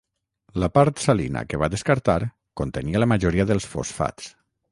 La part salina que va descartar contenia la majoria dels fosfats.